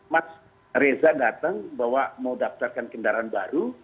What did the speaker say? mas reza datang bahwa mau daftarkan kendaraan baru